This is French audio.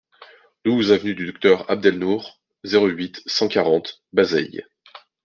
douze avenue du Docteur Abd El Nour, zéro huit, cent quarante, Bazeilles